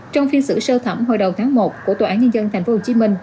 trong phiên xử sơ thẩm hồi đầu tháng một của tòa án nhân dân tp hcm